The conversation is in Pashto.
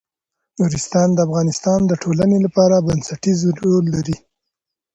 نورستان د افغانستان د ټولنې لپاره بنسټيز رول لري.